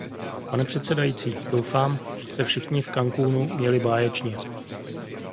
Pane předsedající, doufám, že se všichni v Cancúnu měli báječně.